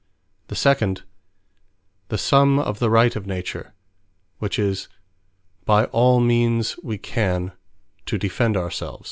The Second, the summe of the Right of Nature; which is, "By all means we can, to defend our selves."